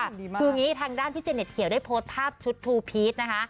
คืออย่างนี้ทางด้านพี่เจเน็ตเขียวได้โพสต์ภาพชุดทูพีชนะคะ